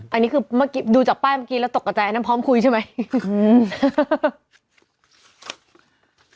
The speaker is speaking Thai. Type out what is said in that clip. อันนี้คือเมื่อกี้ดูจากป้ายเมื่อกี้แล้วตกกระจายอันนั้นพร้อมคุยใช่ไหม